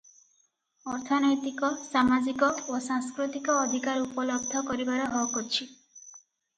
ଅର୍ଥନୈତିକ, ସାମାଜିକ ଓ ସାଂସ୍କୃତିକ ଅଧିକାର ଉପଲବ୍ଧ କରିବାର ହକ ଅଛି ।